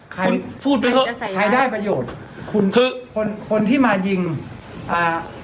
ใครใครจะใส่ร้ายใครได้ประโยชน์คุณคือคนคนที่มายิงอ่า